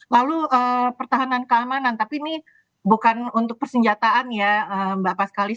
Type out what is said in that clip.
lalu pertahanan keamanan tapi ini bukan untuk persenjataan ya mbak pascalis